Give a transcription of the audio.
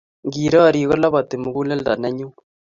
ngi rari kolapati muguleldo ne nyun